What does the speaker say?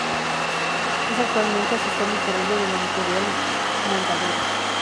Es actualmente asesor literario de la editorial Mondadori.